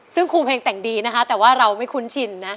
ซึ่งครูเพลงแต่งดีนะคะแต่ว่าเราไม่คุ้นชินนะ